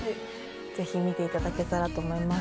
ぜひ見ていただけたらと思います。